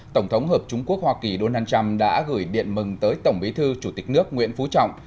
tổng thống hợp chúng quốc hoa kỳ donald trump đã gửi điện mừng tới tổng bí thư chủ tịch nước nguyễn phú trọng